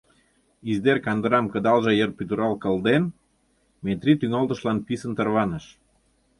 «Издер» кандырам кыдалже йыр пӱтырал кылден, Метрий тӱҥалтышлан писын тарваныш.